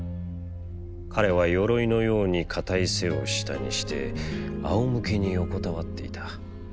彼は鎧のように堅い背を下にして、あおむけに横たわっていた。